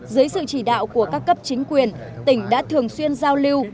dưới sự chỉ đạo của các cấp chính quyền tỉnh đã thường xuyên giao lưu